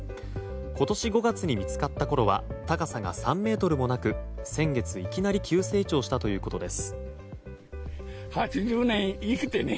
今年５月に見つかったころは高さが３ｍもなく先月いきなり急成長したということです。